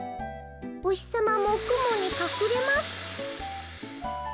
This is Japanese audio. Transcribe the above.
おひさまもくもにかくれます」。